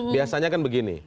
biasanya kan begini